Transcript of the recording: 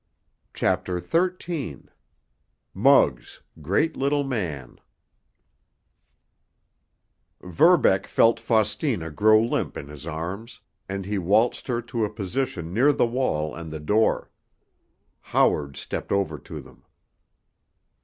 CHAPTER XIII—MUGGS—GREAT LITTLE MAN Verbeck felt Faustina grow limp in his arms, and he waltzed her to a position near the wall and the door. Howard stepped over to them.